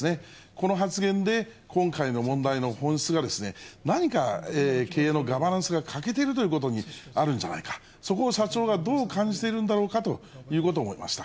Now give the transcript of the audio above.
この発言で、今回の問題の本質が、何か経営のガバナンスが欠けてるということにあるんじゃないか、そこを社長がどう感じているんだろうかということを思いました。